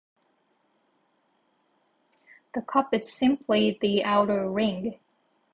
The cup is simply the outer ring.